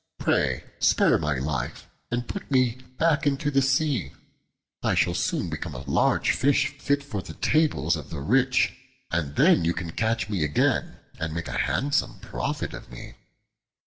Pray spare my life, and put me back into the sea. I shall soon become a large fish fit for the tables of the rich, and then you can catch me again, and make a handsome profit of me."